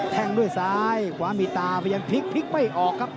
แทงด้วยซ้ายขวามีตาพยายามพลิกไม่ออกครับ